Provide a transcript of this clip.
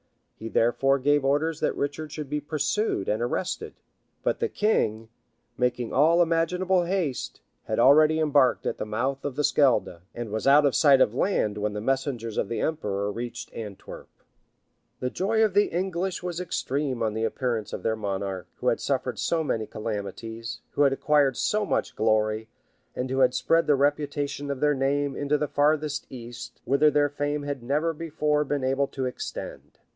He therefore gave orders that Richard should be pursued and arrested; but the king, making all imaginable haste, had already embarked at the mouth of the Schelde, and was out of sight of land when the messengers of the emperor reached Antwerp. The joy of the English was extreme on the appearance of their monarch, who had suffered so many calamities, who had acquired so much glory, and who had spread the reputation of their name into the farthest east, whither their fame had never before been able to extend.